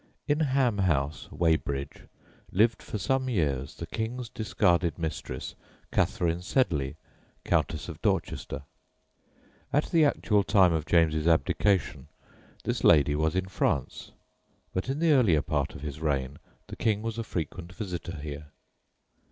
In Ham House, Weybridge, lived for some years the King's discarded mistress Catherine Sedley, Countess of Dorchester. At the actual time of James's abdication this lady was in France, but in the earlier part of his reign the King was a frequent visitor here.